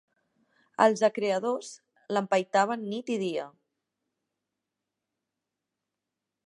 Els a creedors l'empaitaven nit i dia